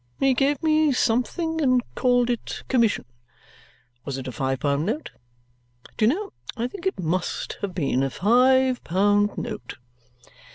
He gave me something and called it commission. Was it a five pound note? Do you know, I think it MUST have been a five pound note!"